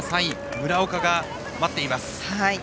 村岡が待っています。